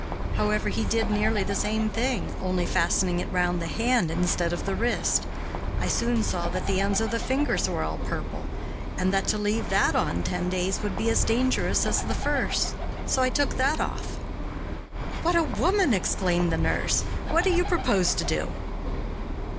However, he did nearly the same thing, only fastening it round the hand instead of the wrist. I soon saw that the ends of the fingers were all purple, and that to leave that on ten days would be as dangerous as the first. So I took that off. "What a woman!" exclaimed the nurse. "What do you propose to do?"